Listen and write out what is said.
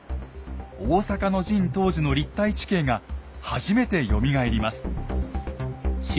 大坂の陣当時の立体地形が初めてよみがえります。